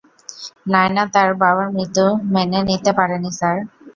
নায়না তার বাবার মৃত্যুর মেনে নিতে পারেনি, স্যার।